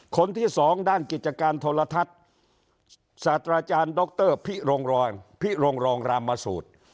คนที่สองด้านกิจการโทรทัศน์สัตว์อาจารย์ดรพิโรงรองรามสูตร